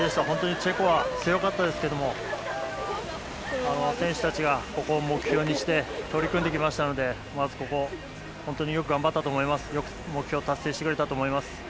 本当にチェコは強かったですけど選手たちが、ここを目標にして取り組んできましたのでまず、ここ本当によく頑張ったと思います。